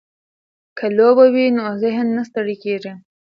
که لوبه وي نو ذهن نه ستړی کیږي.